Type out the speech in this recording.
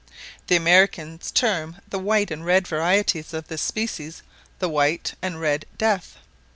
The Americans term the white and red varieties of this species, the "white" and "red death."